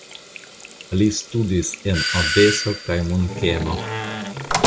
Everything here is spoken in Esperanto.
Li studis en Odeso kaj Munkeno.